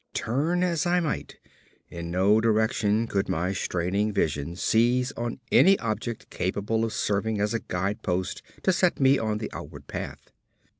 Turn as I might, in no direction could my straining vision seize on any object capable of serving as a guidepost to set me on the outward path.